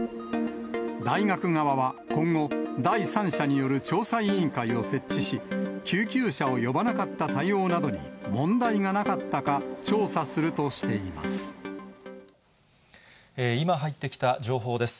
大学側は今後、第三者による調査委員会を設置し、救急車を呼ばなかった対応などに問題がなかったか調査するとして今入ってきた情報です。